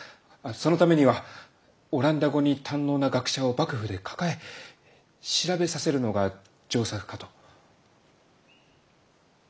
そのためにはオランダ語に堪能な学者を幕府で抱え調べさせるのが上策かと。